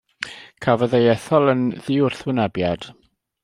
Cafodd ei ethol yn ddiwrthwynebiad.